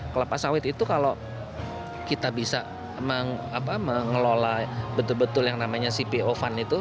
kelapa sawit itu kalau kita bisa mengelola betul betul yang namanya cpo fund itu